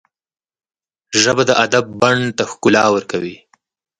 ژبه د ادب بڼ ته ښکلا ورکوي